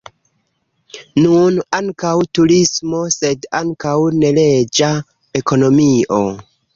Nun ankaŭ turismo, sed ankaŭ neleĝa ekonomio.